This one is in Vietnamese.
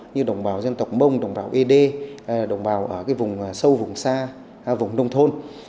như đồng bào dân tộc mông đồng bào ấy đê đồng bào ở vùng sâu vùng xa vùng đông thôn